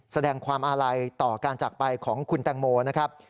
แสดงความอาลัยต่อการจากไปของคุณแตงโมนะครับ